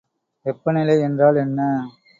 வெப்பநிலை என்றால் என்ன?